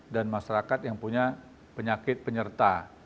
dan masyarakat yang punya penyakit penyerta